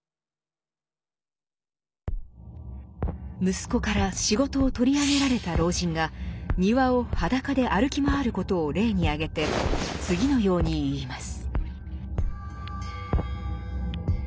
息子から仕事を取り上げられた老人が庭を裸で歩き回ることを例に挙げて次のように言います。